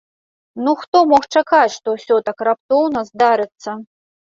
Ну хто мог чакаць, што ўсё так раптоўна здарыцца?